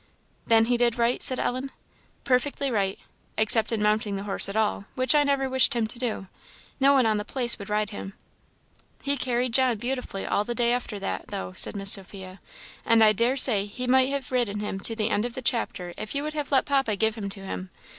"Then he did right?" said Ellen. "Perfectly right except in mounting the horse at all, which I never wished him to do. No one on the place would ride him." "He carried John beautifully all the day after that though," said Miss Sophia, "and I dare say he might have ridden him to the end of the chapter if you would have let papa give him to him.